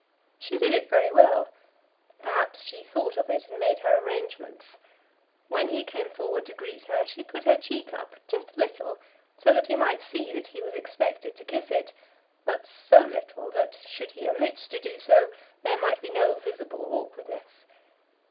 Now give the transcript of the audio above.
She did it very well. Perhaps she had thought of it, and made her arrangements. When he came forward to greet her, she put her cheek up, just a little, so that he might see that he was expected to kiss it; but so little, that should he omit to do so, there might be no visible awkwardness.